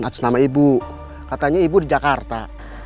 atas nama ibu katanya ibu di jakarta